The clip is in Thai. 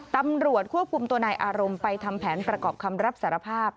ตำรวจควบคุมตัวนายอารมณ์ไปทำแผนประกอบคำรับสารภาพ